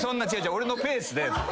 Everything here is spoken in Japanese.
俺のペースで。